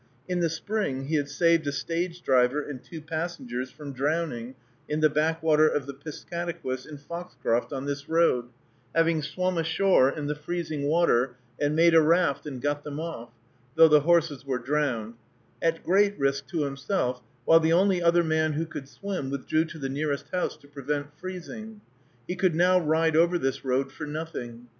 In the spring, he had saved a stage driver and two passengers from drowning in the backwater of the Piscataquis in Foxcroft on this road, having swum ashore in the freezing water and made a raft and got them off, though the horses were drowned, at great risk to himself, while the only other man who could swim withdrew to the nearest house to prevent freezing. He could now ride over this road for nothing.